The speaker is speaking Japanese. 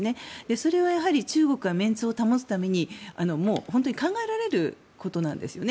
それは中国がメンツを保つために考えられることなんですよね。